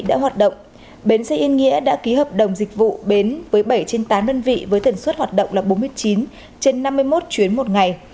cụ thể bến xe yên nghĩa đã ký hợp đồng dịch vụ với bảy trên tám đơn vị với tần suất hoạt động là bốn mươi chín trên năm mươi một chuyến một ngày